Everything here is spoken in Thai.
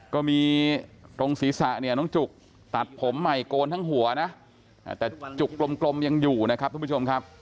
ก็มีตรงศีรษะเนี่ยน้องจุกตัดผมใหม่โกนทั้งหัวนะแต่จุกกลมยังอยู่นะครับทุกผู้ชมครับ